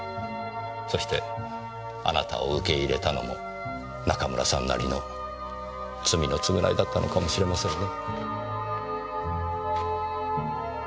そしてあなたを受け入れたのも中村さんなりの罪の償いだったのかもしれませんね。